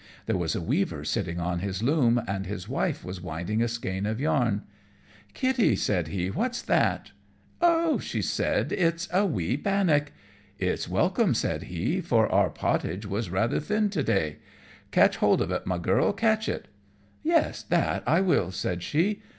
There was a weaver sitting on his loom, and his wife was winding a skein of yarn. "Kitty," said he, "what's that?" "Oh," said she, "it's a wee bannock." "It's welcome," said he, "for our pottage was rather thin to day. Catch hold of it, my Girl; catch it." "Yes, that I will," said she.